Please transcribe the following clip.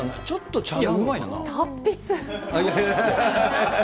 達筆。